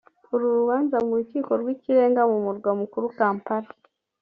uru rubanza mu Rukiko rw’Ikirenga mu murwa mukuru Kampala